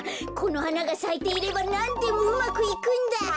この花がさいていればなんでもうまくいくんだ！